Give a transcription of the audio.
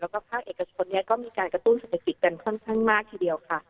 แล้วก็ภาคเอกชนนี้ก็มีการกระตุ้นเศรษฐกิจกันค่อนข้างมากทีเดียวค่ะ